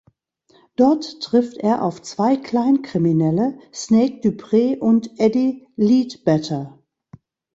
Dort trifft er auf zwei Kleinkriminelle, Snake Dupree und Eddie Leadbetter.